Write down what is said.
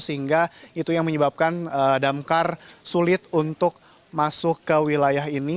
sehingga itu yang menyebabkan damkar sulit untuk masuk ke wilayah ini